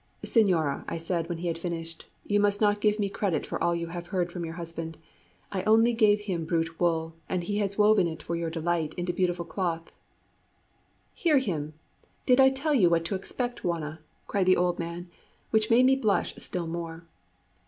"Señora," I said, when he had finished, "you must not give me credit for all you have heard from your husband. I only gave him brute wool, and he has woven it for your delight into beautiful cloth." "Hear him! Did I tell you what to expect, Juana?" cried the old man, which made me blush still more.